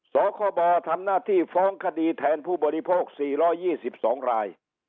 สคบทำหน้าที่ฟ้องคดีแทนผู้บริโภค๔๒๒ราย